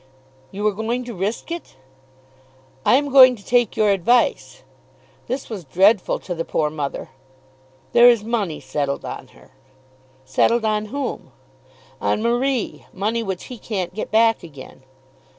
"You are going to risk it?" "I am going to take your advice." This was dreadful to the poor mother. "There is money settled on her." "Settled on whom?" "On Marie; money which he can't get back again."